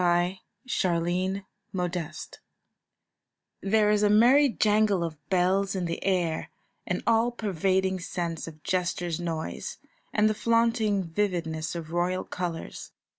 A CARNIVAL JANGLE There is a merry jangle of bells in the air, an all pervading sense of jester's noise, and the flaunting vividness of royal colours.